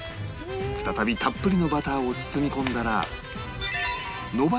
再びたっぷりのバターを包み込んだら